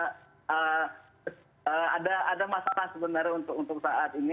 mestinya ada cuman ada masalah sebenarnya untuk saat ini